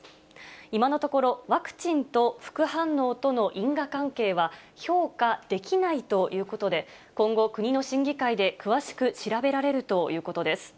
今のところ、ワクチンと副反応との因果関係は評価できないということで、今後、国の審議会で詳しく調べられるということです。